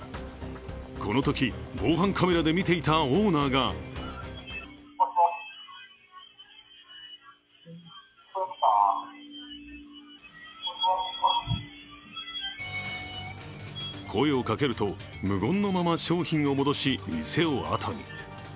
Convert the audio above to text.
このとき、防犯カメラで見ていたオーナーが声をかけると、無言のまま商品を戻し、店をあとに。